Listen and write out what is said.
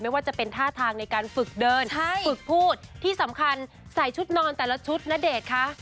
ว่าจะเป็นท่าทางในการฝึกเดินฝึกพูดที่สำคัญใส่ชุดนอนแต่ละชุดณเดชน์คะ